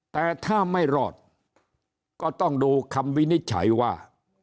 แต่ถ้าไม่รอดก็ต้องดูคำวินิจฉัยว่า